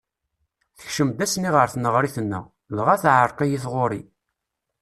Tekcem-d ass-nni ɣer tneɣrit-nneɣ, dɣa teɛreq-iyi tɣuri.